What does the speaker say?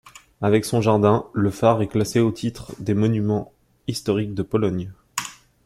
Avec son jardin, le phare est classé au titre des monuments historiques de Pologne.